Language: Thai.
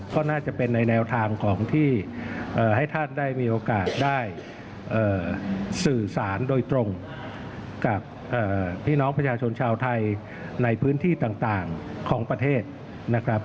ก็น่าจะเป็นในแนวทางของที่ให้ท่านได้มีโอกาสได้สื่อสารโดยตรงกับพี่น้องประชาชนชาวไทยในพื้นที่ต่างของประเทศนะครับ